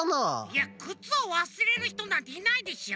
いやくつをわすれるひとなんていないでしょ。